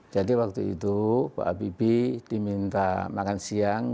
jadi waktu itu pak habibie diminta makan siang